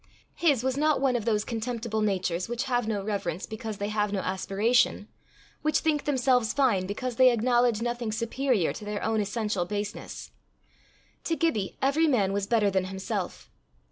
His was not one of those contemptible natures which have no reverence because they have no aspiration, which think themselves fine because they acknowledge nothing superior to their own essential baseness. To Gibbie every man was better than himself.